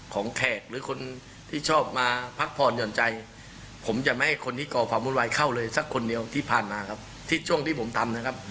ก็ไปเข้าเลยสักคนเดียวที่ผ่านมาครับที่ช่วงที่ผมทำนะครับ